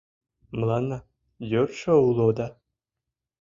Мыланна йӧршӧ уло да